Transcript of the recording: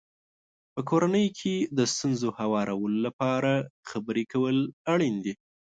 په کورنۍ کې د ستونزو هوارولو لپاره خبرې کول اړین دي.